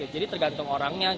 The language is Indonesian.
jadi tergantung orangnya